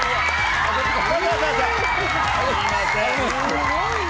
すごいな。